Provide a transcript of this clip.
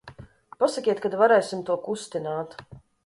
Pasakiet, kad varēsim to kustināt.